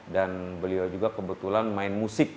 dan beliau juga kebetulan main musik